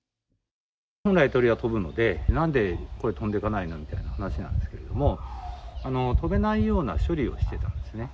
本来、鳥は飛ぶので、なんで飛んでかないの？みたいな話なんですけど、飛べないような処理をしていたんですね。